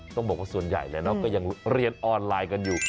ต้องบอกว่าส่วนใหญ่ก็ยังเรียนออนไลน์กันอยู่